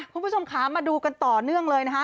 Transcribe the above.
คุณผู้ชมค่ะมาดูกันต่อเนื่องเลยนะคะ